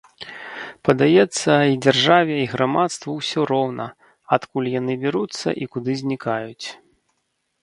Падаецца, і дзяржаве, і грамадству ўсё роўна, адкуль яны бяруцца і куды знікаюць.